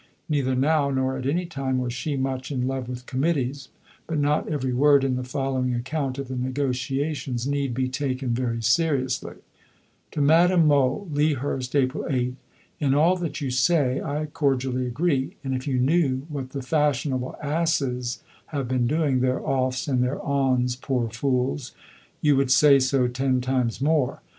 Neither now, nor at any time, was she much in love with committees, but not every word in the following account of the negotiations need be taken very seriously: (To Madame Mohl.) LEA HURST, April 8. In all that you say I cordially agree, and if you knew what the "fashionable asses" have been doing, their "offs" and their "ons," poor fools! you would say so ten times more.